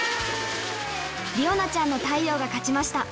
理央奈ちゃんの太陽が勝ちました。